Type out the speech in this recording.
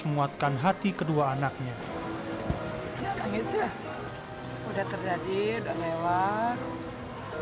memuatkan hati kedua anaknya udah terjadi lewat